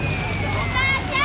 お母ちゃん！